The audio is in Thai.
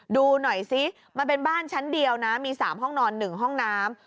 ดูหน่อยซิมันเป็นบ้านชั้นเดียวนะมี๓ห้องนอน๑ห้องน้ำ